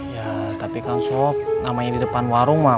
ya tapi kan sob namanya di depan warung wak